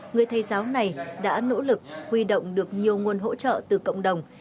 người thầy giáo này đã nỗ lực huy động được nhiều nguồn hỗ trợ từ cộng đồng